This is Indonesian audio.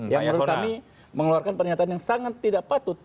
yang menurut kami mengeluarkan pernyataan yang sangat tidak patut